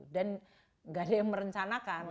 dan gak ada yang merencanakan